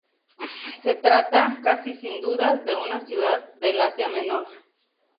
Se trata, casi sin dudas, de una ciudad del Asia Menor.